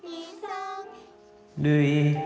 るい。